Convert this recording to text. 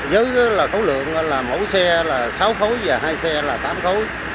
với khối lượng là mẫu xe là sáu khối và hai xe là tám khối